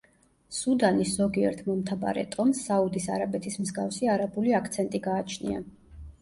სუდანის ზოგიერთ მომთაბარე ტომს საუდის არაბეთის მსგავსი არაბული აქცენტი გააჩნია.